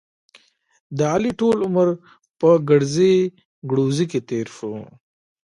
د علي ټول عمر په ګړزې ګړوزې کې تېر شو.